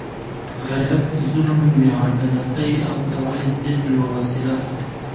غیرت د ظلم، بېعدالتۍ او تبعیض ضد یوه وسله ده.